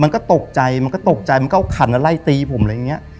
มันก็ตกใจมันก็ตกใจมันก็เอาขันไล่ตีผมอะไรอย่างเงี้ย